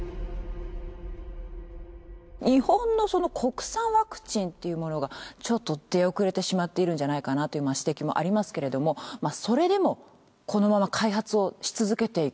日本のその国産ワクチンっていうものがちょっと出遅れてしまっているんじゃないかなという指摘もありますけれどもそれでもこのまま開発をし続けていく。